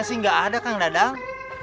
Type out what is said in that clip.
masih gak ada kang dadang